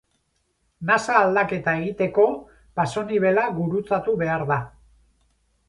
Nasa aldaketa egiteko pasonibela gurutzatu behar da.